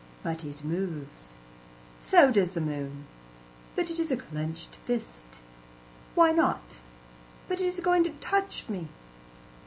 "But it moves." "So does the moon." "But it is a clenched fist." "Why not?" "But it is going to touch me."